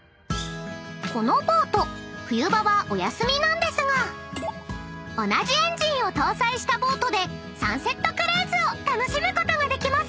［このボート冬場はお休みなんですが同じエンジンを搭載したボートでサンセットクルーズを楽しむことができます］